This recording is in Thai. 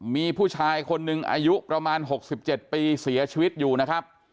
มีผู้ชายคนหนึ่งอายุประมาณ๖๗ปีเสียชีวิตอยู่นะครับ